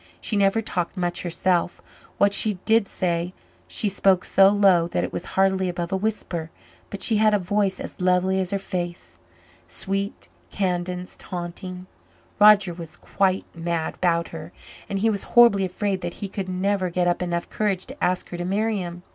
She never talked much herself; what she did say she spoke so low that it was hardly above a whisper, but she had a voice as lovely as her face sweet, cadenced, haunting. Roger was quite mad about her, and he was horribly afraid that he could never get up enough courage to ask her to marry him.